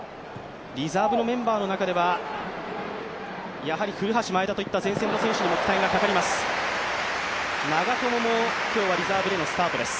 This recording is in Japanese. リザーブメンバーの中では古橋、前田といった前線の選手に期待がかかります。